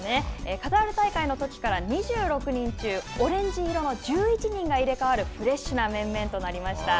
カタール大会のときから２６人中、オレンジ色の１１人が入れかわるフレッシュな面々となりました。